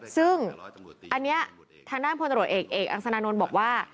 ซึ่งอันนี้ทางด้านพลตรวจเอกเอกอังสนานนท์บอกว่า